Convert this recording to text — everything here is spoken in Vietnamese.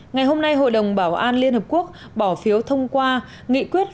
ngày hôm nay hội đồng bảo an liên hợp quốc bỏ phiếu thông qua nghị quyết